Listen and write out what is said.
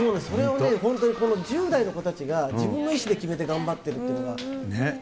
それをね、本当に１０代の子たちが、自分の意思で決めて頑張ってるっていうのが。